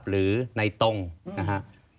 หรือในตรงนะฮะ